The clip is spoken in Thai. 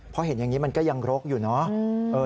พอเห็นอย่างนี้มันก็ยังรกอยู่เนอะ